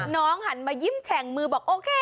น้องหันมายิ้มแฉงมือบอก